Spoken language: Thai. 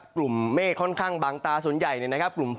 กลุ่มเมฆค่อนข้างบางตาส่วนใหญ่เนี่ยนะครับ